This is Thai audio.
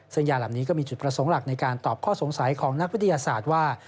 ซึ่งยาเหล่านี้ก็มีจุดประสงค์หลักในการตอบข้อสงสัยของนักวิทยาศาสตร์ว่า